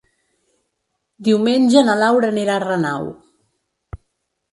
Diumenge na Laura anirà a Renau.